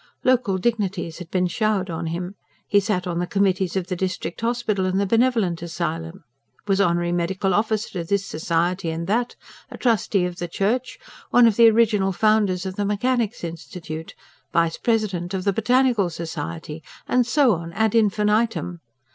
Local dignities had been showered on him: he sat on the Committees of the District Hospital and the Benevolent Asylum; was Honorary Medical Officer to this Society and that; a trustee of the church; one of the original founders of the Mechanics' Institute; vice president of the Botanical Society; and so on, AD INFINITUM.